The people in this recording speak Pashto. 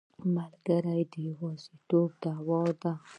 ملګری د یوازیتوب دوا ده.